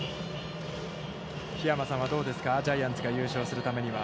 桧山さんはどうですか、ジャイアンツが優勝するためには。